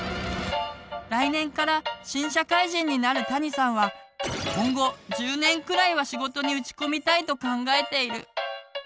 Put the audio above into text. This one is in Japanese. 来年から新社会人になるたにさんは今後１０年くらいは仕事に打ち込みたいと考えている。